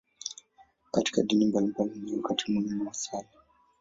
Katika dini mbalimbali, ni wakati muhimu wa sala.